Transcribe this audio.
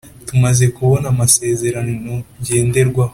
Tumaze kubona Amasezerano Ngenderwaho